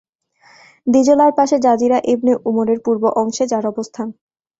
দিজলার পাশে জাযীরা ইবন উমরের পূর্ব অংশে যার অবস্থান।